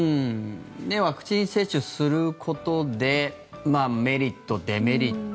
ワクチン接種することでメリット、デメリット